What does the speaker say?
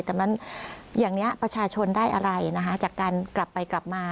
แต่มันอย่างนี้ประชาชนได้อะไรนะคะจากการกลับไปกลับมา